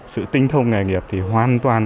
sự tinh thông nghề nghiệp thì hoàn toàn